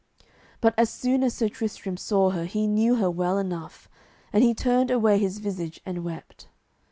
But as soon as Sir Tristram saw her he knew her well enough, and he turned away his visage and wept.